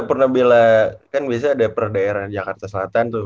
lu pernah bilang kan biasanya ada perdaeran jakarta selatan tuh